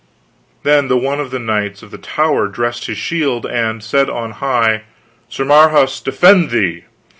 Then the one of the knights of the tower dressed his shield, and said on high, Sir Marhaus defend thee.